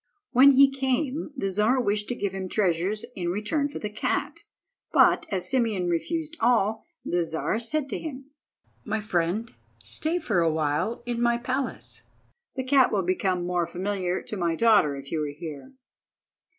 When he came, the Czar wished to give him treasures in return for the cat, but, as Simeon refused all, the Czar said to him: "My friend, stay for a while in my palace. The cat will become more familiar to my daughter if you are here."